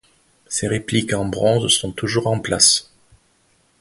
Ces répliques en bronze sont toujours en place.